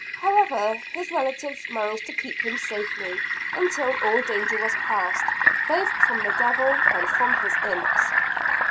However his relatives managed to keep him safely, until all danger was passed, both from the devil and from his imps.